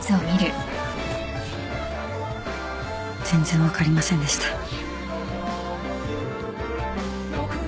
全然分かりませんでした。